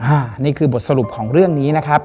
อันนี้คือบทสรุปของเรื่องนี้นะครับ